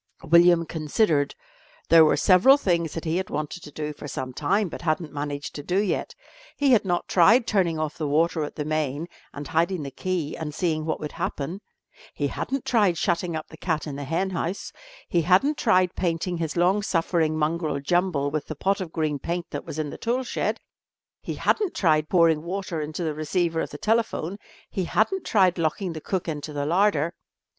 William considered. There were several things that he had wanted to do for some time, but hadn't managed to do yet. He had not tried turning off the water at the main, and hiding the key and seeing what would happen; he hadn't tried shutting up the cat in the hen house; he hadn't tried painting his long suffering mongrel Jumble with the pot of green paint that was in the tool shed; he hadn't tried pouring water into the receiver of the telephone; he hadn't tried locking the cook into the larder.